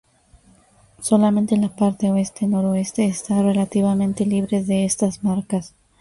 Solamente la parte oeste-noroeste está relativamente libre de estas marcas.